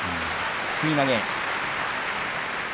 すくい投げ。